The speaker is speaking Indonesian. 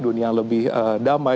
dunia yang lebih damai